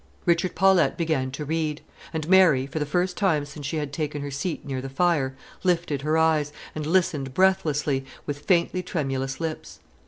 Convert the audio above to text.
Richard Paulette began to read; and Mary, for the first time since she had taken her seat near the fire, lifted her eyes, and listened breathlessly, with faintly tremulous lips.